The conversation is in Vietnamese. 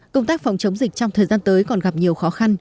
công tác phòng chống dịch trong thời gian tới còn gặp nhiều khó khăn